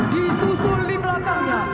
disusul di belakangnya